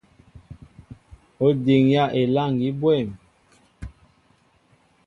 Ó diŋyá elâŋgi bwɛ̂m ?